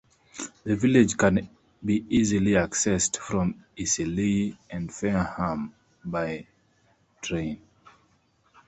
The village can be easily accessed from Eastleigh and Fareham by train.